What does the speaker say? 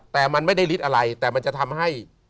แต่มันไม่ได้ฤทธิ์อะไรแต่มันจะทำให้